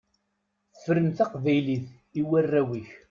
Fren taqbaylit i warraw-ik.